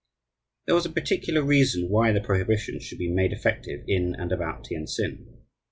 There was a particular reason why the prohibition should be made effective in and about Tientsin.